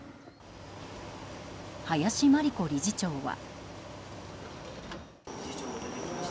林真理子理事長は。